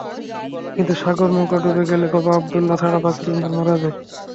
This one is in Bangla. কিন্তু সাগরে নৌকা ডুবে গেলে বাবা আবদুল্লাহ ছাড়া বাকি তিনজন মারা যায়।